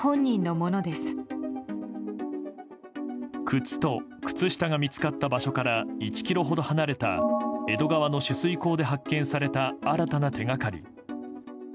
靴と靴下が見つかった場所から１ｋｍほど離れた江戸川の取水口で発見された新たな手掛かり。